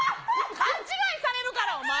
勘違いされるから、お前。